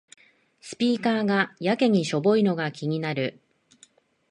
スピーカーがやけにしょぼいのが気になる